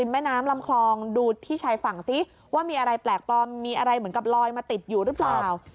เหมือนกับลอยมาติดอยู่หรือเปล่า